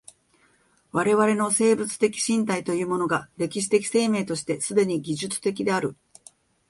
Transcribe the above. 我々の生物的身体というものが歴史的生命として既に技術的である。